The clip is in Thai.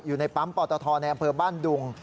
อยู่ในปั๊มปอตทในอำเภอบ้านดุง